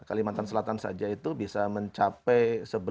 kalimantan selatan saja itu bisa mencapai